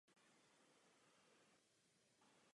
Její název znamená „západní čtvrť hlavního města“.